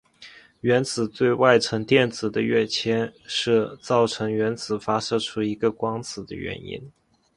原子最外层电子的跃迁是造成原子发射出一个光子的原因。